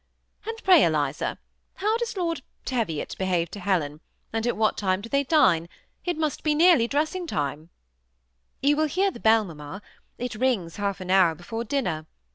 And pray, Eliza, how does Lord Teviot behave to Helen, and at 140 THE SEMI ATTACHED COUPLE. what time do thej dine ? It must be nearly dressing time." '* You will hear the bell, mamma. It rings half an hour before dinner.